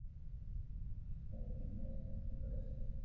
দেশে যাঁরা আছেন, তাঁরাও বেশির ভাগ এখানে-সেখানে ঘোরাঘুরি করে সময় কাটাচ্ছেন।